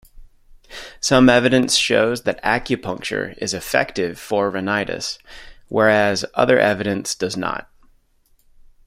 Some evidence shows that acupuncture is effective for rhinitis, whereas other evidence does not.